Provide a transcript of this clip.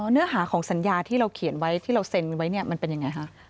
เนื้อหาของสัญญาที่เราเขียนไว้ที่เราเซ็นไว้เนี่ยมันเป็นยังไงคะ